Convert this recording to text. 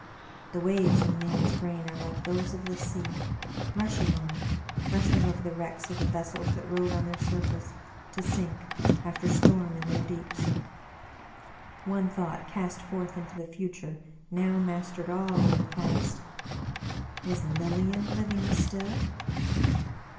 The waves in man's brain are like those of the sea, rushing on, rushing over the wrecks of the vessels that rode on their surface, to sink, after storm, in their deeps. One thought cast forth into the future now mastered all in the past :" Was Lilian living still